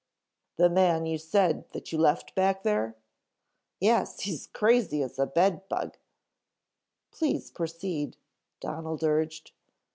"The man you said that you left back there?" "Yes. He's crazy as a bed bug " "Please proceed," Donald urged.